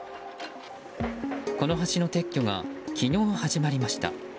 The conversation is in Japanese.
この橋の撤去が昨日始まりました。